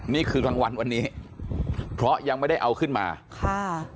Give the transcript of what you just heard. กลางวันวันนี้เพราะยังไม่ได้เอาขึ้นมาค่ะ